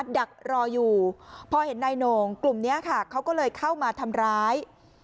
ดักรออยู่พอเห็นนายโหน่งกลุ่มนี้ค่ะเขาก็เลยเข้ามาทำร้าย